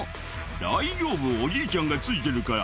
「大丈夫おじいちゃんがついてるから」